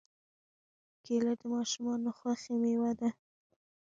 کېله د ماشومانو خوښې مېوه ده.